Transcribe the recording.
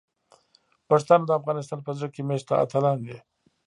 پښتانه د افغانستان په زړه کې میشته اتلان دي.